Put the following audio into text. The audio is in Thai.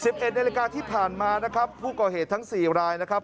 ๑๑นาฬิกาที่ผ่านมานะครับผู้เกาะเหตุทั้ง๔รายนะครับ